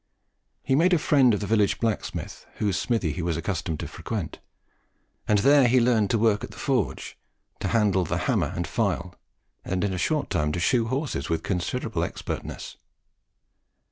He made a friend of the village blacksmith, whose smithy he was accustomed to frequent, and there he learned to work at the forge, to handle the hammer and file, and in a short time to shoe horses with considerable expertness.